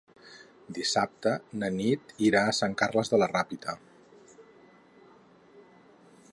Dissabte na Nit irà a Sant Carles de la Ràpita.